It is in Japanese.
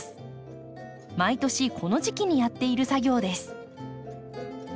毎年この時期にやっている作業です。